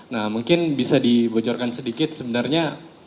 nah mungkin bisa dibocorkan sedikit sebenarnya